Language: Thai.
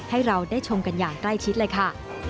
ให้เราได้ชมกันอย่างใกล้ชิดเลยค่ะ